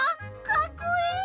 かっこいい！